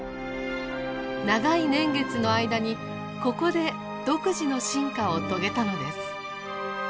長い年月の間にここで独自の進化を遂げたのです。